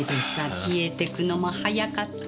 消えてくのも早かったねぇ。